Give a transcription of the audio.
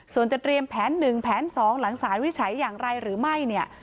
ส่วนจะเตรียมแผนหนึ่งแผนสองหลังสารวิสัยอย่างไรหรือไม่